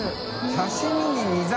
刺し身に煮魚？